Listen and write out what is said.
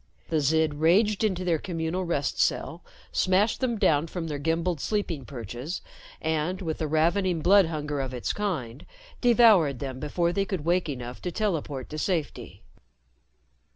The Zid raged into their communal rest cell, smashed them down from their gimbaled sleeping perches and, with the ravening blood hunger of its kind, devoured them before they could wake enough to teleport to safety.